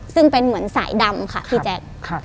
ซึ่งเป็นเหมือนสายดำค่ะพี่แจ๊ค